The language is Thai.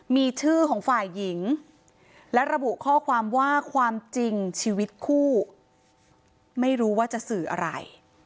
มีชื่อของฝ่ายหญิงและระบุข้อความว่าความจริงชีวิตคู่ไม่รู้ว่าจะสื่ออะไร